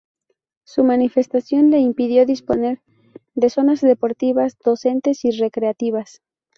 Su masificación le impidió disponer de zonas deportivas, docentes y recreativas.